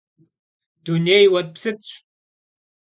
Dunêy vuet'psıt'ş.